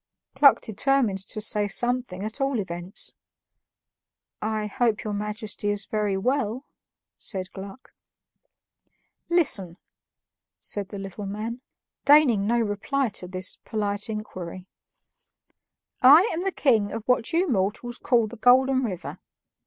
Gluck determined to say something at all events. "I hope your Majesty is very well," said Gluck. "Listen!" said the little man, deigning no reply to this polite inquiry. "I am the king of what you mortals call the Golden River.